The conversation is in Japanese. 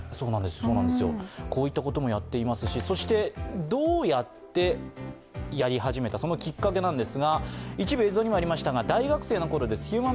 こういったこともやっていますし、どうやってやり始めたかそのきっかけです。